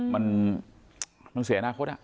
มันเสียหน้าคุณ